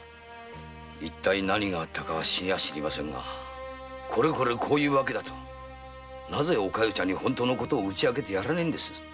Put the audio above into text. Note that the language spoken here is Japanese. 何があったか知りませんがこれこれこういう訳だとなぜお加代ちゃんに本当のことを打ち明けてやらねぇんですか？